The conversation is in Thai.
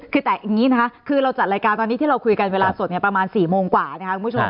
คือแต่อย่างนี้นะคะคือเราจัดรายการตอนนี้ที่เราคุยกันเวลาสดประมาณ๔โมงกว่านะคะคุณผู้ชม